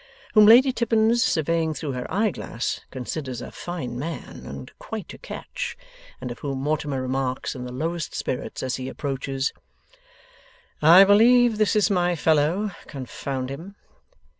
Whom Lady Tippins, surveying through her eye glass, considers a fine man, and quite a catch; and of whom Mortimer remarks, in the lowest spirits, as he approaches, 'I believe this is my fellow, confound him!